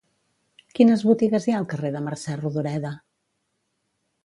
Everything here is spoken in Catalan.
Quines botigues hi ha al carrer de Mercè Rodoreda?